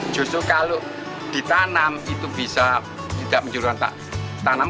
justru kalau ditanam itu bisa tidak menyuruhkan tanam